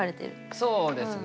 そうですね。